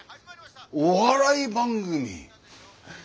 お笑い番組。